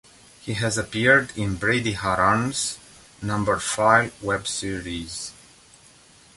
He has appeared in Brady Haran's Numberphile web series.